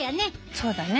そうだね。